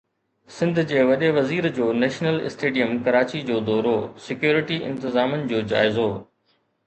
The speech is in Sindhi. سنڌ جي وڏي وزير جو نيشنل اسٽيڊيم ڪراچي جو دورو، سڪيورٽي انتظامن جو جائزو